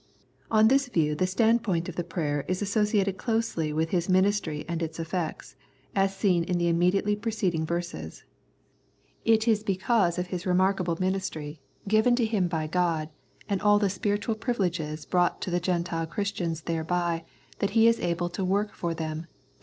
On this view the standpoint of the prayer is associated closely with his ministry and its effects, as seen in the immediately preceding verses. It is 112 Strength and Indwelling because of his remarkable ministry, given to him by God, and all the spiritual privileges brought to the Gentile Christians thereby that he is able to work for them (ver.